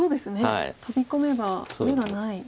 トビ込めば眼がない。